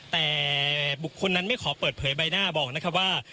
แต่บุคคลนั้นไม่ขอเปิดเผยใบหน้าบอกนะครับว่า